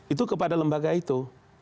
itu kepada lembaga itu